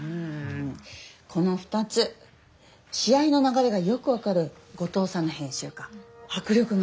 うんこの２つしあいの流れがよくわかる後藤さんの編集かはく力